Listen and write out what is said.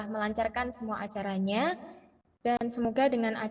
halo selamat datang